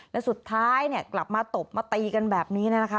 แล้วสุดท้ายเนี่ยกลับมาตบมาตีกันแบบนี้นะคะ